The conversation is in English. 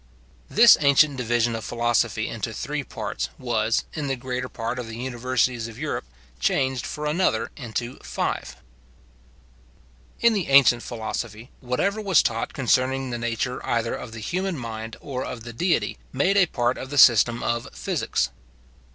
This ancient division of philosophy into three parts was, in the greater part of the universities of Europe, changed for another into five. In the ancient philosophy, whatever was taught concerning the nature either of the human mind or of the Deity, made a part of the system of physics.